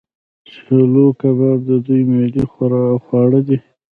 چلو کباب د دوی ملي خواړه دي.